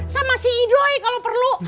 sama si idoi kalau perlu